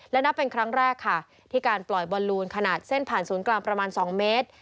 และนับเป็นครั้งแรกค่ะที่การปล่อยบอลลูนขนาดเส้นผ่านศูนย์กลางประมาณ๒เมตร